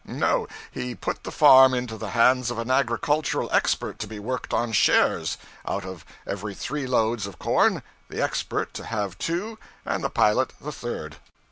No, he put the farm into the hands of an agricultural expert to be worked on shares out of every three loads of corn the expert to have two and the pilot the third.